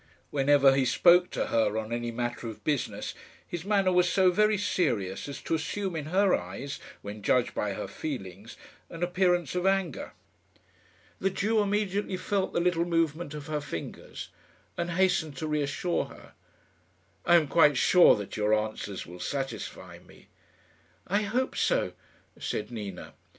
Whenever he spoke to her on any matter of business, his manner was so very serious as to assume in her eyes, when judged by her feelings, an appearance of anger. The Jew immediately felt the little movement of her fingers, and hastened to reassure her. "I am quite sure that your answers will satisfy me." "I hope so," said Nina.